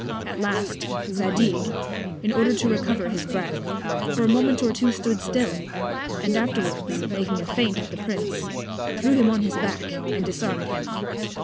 At last, Zadig, in order to recover his Breath, for a Moment or two stood still, and afterwards, making a Feint at the Prince, threw him on his Back, and disarm'd him.